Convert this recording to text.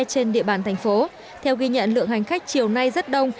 trên địa bàn thành phố theo ghi nhận lượng hành khách chiều nay rất đông